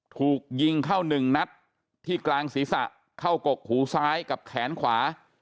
ถูกยิงเข้าหนึ่งนัดที่กลางศีรษะเข้ากกหูซ้ายกับแขนขวา